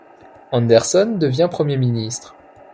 Anderson devient premier ministre.